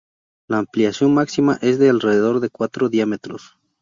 La ampliación máxima es de alrededor de cuatro diámetros.